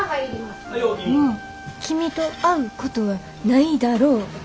「もう君と会うことはないだろう」